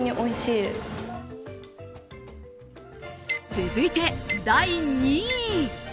続いて、第２位。